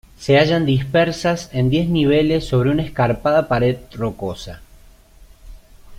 Se hallan dispersas en diez niveles sobre una escarpada pared rocosa.